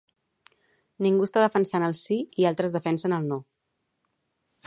Ningú està defensant el Sí i altres defenen el No.